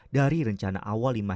dari rencana awal lima hektare